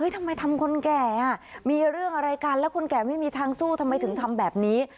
ทำไมทำคนแก่มีเรื่องอะไรกันแล้วคนแก่ไม่มีทางสู้ทำไมถึงทำแบบนี้